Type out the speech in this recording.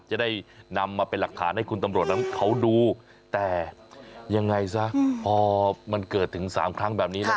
จะได้นำมาเป็นหลักฐานให้คุณตำรวจนั้นเขาดูแต่ยังไงซะพอมันเกิดถึง๓ครั้งแบบนี้แล้ว